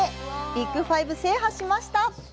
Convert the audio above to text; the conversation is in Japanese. ビッグ５、制覇しました！